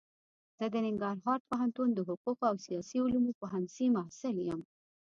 زه د ننګرهار پوهنتون د حقوقو او سیاسي علومو پوهنځي محصل يم.